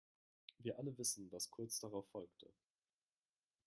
Wir alle wissen, was kurz darauf folgte.